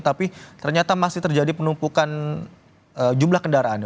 tapi ternyata masih terjadi penumpukan jumlah kendaraan